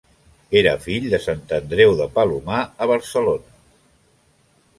Era fill de Sant Andreu de Palomar, a Barcelona.